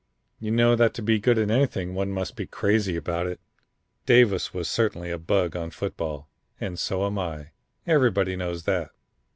You know that to be good in anything one must be crazy about it. Davis was certainly a bug on football and so am I. Everybody knows that.